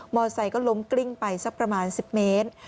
มอเตอร์ไซต์ก็ล้มกลิ้งไปสักประมาณ๑๐เมตร